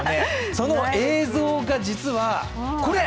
その映像が実はこれ！